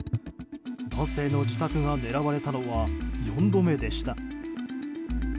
男性の自宅が狙われたのは４度目でした。